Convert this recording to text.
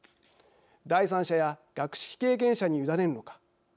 第三者や学識経験者に委ねるのか。